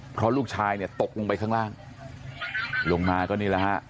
เพราะลูกชายเนี่ยตกลงไปข้างล่างลงมาก็นี่แหละฮะ